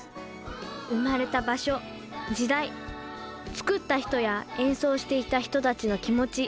生まれた場所時代作った人や演奏していた人たちの気持ち。